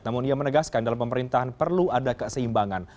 namun ia menegaskan dalam pemerintahan perlu ada keseimbangan